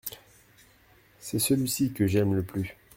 C’est celui-ci que j’aime le plus.